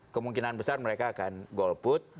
kemungkinan besar mereka akan golput